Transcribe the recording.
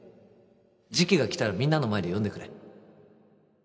時期が来たらみんなの前で読んでくれ